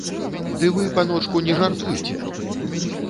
Ды вы, паночку, не жартуйце!